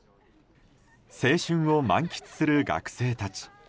青春を満喫する学生たち。